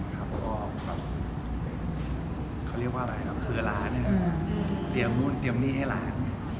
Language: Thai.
เพราะว่าเขาเรียกว่าอะไรนะครับคือร้านเรียงมูลเตรียมหนี้ให้ร้าน